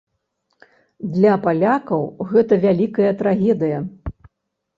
Для палякаў гэта вялікая трагедыя.